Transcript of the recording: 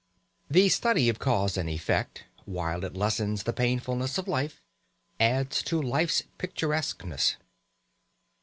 The study of cause and effect, while it lessens the painfulness of life, adds to life's picturesqueness.